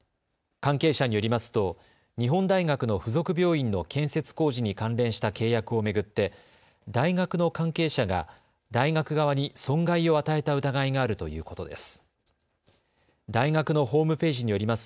関係者によりますと日本大学の付属病院の建設工事に関連した契約を巡って大学の関係者が大学側に損害を与えた疑いがあるということです。